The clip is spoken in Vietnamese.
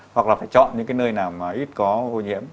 hoặc là phải chọn những cái nơi nào mà ít có ô nhiễm